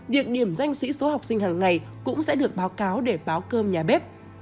việc điểm danh sĩ số học sinh hàng ngày cũng sẽ được báo cáo để báo cơm nhà bếp